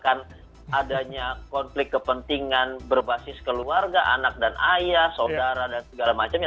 adanya konflik kepentingan berbasis keluarga anak dan ayah saudara dan segala macamnya